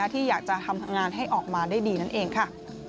ที่อยากจะทำงานให้ออกมาได้ดีนั่นเองค่ะ